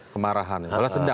kemarahan balas dendam